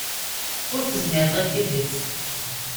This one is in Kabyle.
Ur tezmireḍ i tidet.